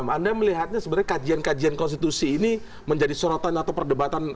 anda melihatnya sebenarnya kajian kajian konstitusi ini menjadi sorotan atau perdebatan